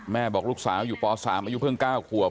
บอกลูกสาวอยู่ป๓อายุเพิ่ง๙ขวบ